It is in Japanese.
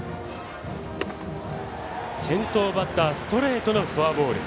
先頭バッターストレートのフォアボール。